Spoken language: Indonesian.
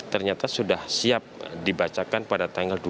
ternyata sudah siap dibacakan pada tanggal dua puluh